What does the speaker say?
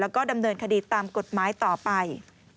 แล้วก็ดำเนินคดีตามกฎหมายต่อไป